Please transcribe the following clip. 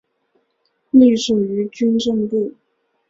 隶属于军政部。